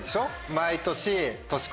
毎年。